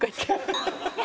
ハハハハ！